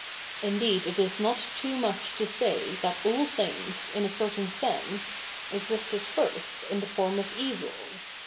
Indeed it is not too ?nuch to say that all things, in a certaifi sense, existed first in the form of evil.